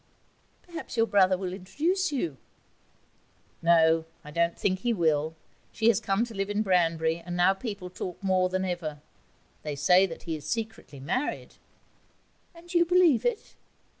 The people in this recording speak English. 'Perhaps your brother will introduce you.' 'No, I don't think he will. She has come to live at Branbury, and now people talk more then ever. They say that he is secretly married.' 'And you believe it?'